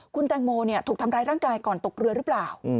คุณแตงโมถูกทำร้ายร่างกายก่อนตกเรือหรือเปล่า